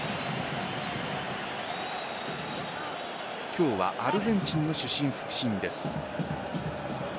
今日はアルゼンチンの主審・副審です。